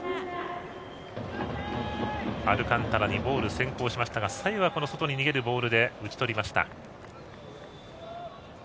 アルカンタラにボール先行しましたが最後は外に逃げるボールで打ち取りました。